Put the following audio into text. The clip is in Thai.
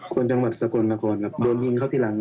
คนจังหวัดสกลนครครับโดนยิงเข้าที่หลัง